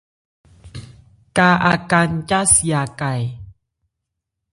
Ka Aká nca si a ka e ?